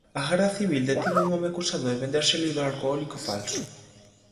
A Garda Civil detivo un home acusado de vender xel hidroalcohólico falso.